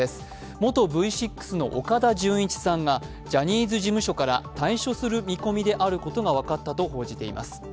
元Ｖ６の岡田准一さんが、ジャニーズ事務所から退所する見込みであることが分かったということです。